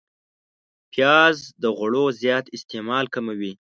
پیاز د غوړو زیات استعمال کموي